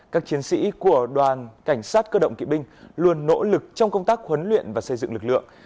các chiến sĩ của đoàn cảnh sát cơ động kỵ binh luôn nỗ lực trong công tác huấn luyện và xây dựng lực lượng